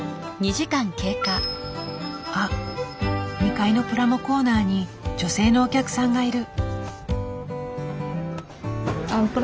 あっ２階のプラモコーナーに女性のお客さんがいる。